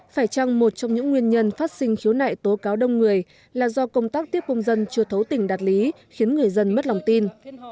phải chăng một trong những nguyên nhân phát sinh khiếu nại tố cáo đông người là do công tác tiếp công dân chưa thấu tình đạt lý khiến người dân mất lòng tin